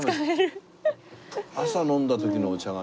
朝飲んだ時のお茶がね